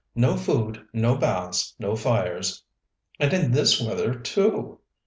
No food, no baths, no fires and in this weather, too!